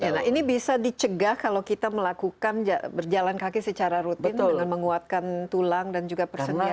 nah ini bisa dicegah kalau kita melakukan berjalan kaki secara rutin dengan menguatkan tulang dan juga persendian